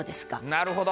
なるほど。